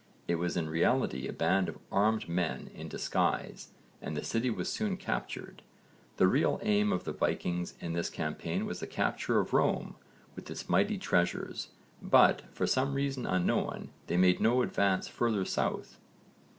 It was in reality a band of armed men in disguise and the city was soon captured. The real aim of the Vikings in this campaign was the capture of Rome with its mighty treasures, but, for some reason unknown, they made no advance further south.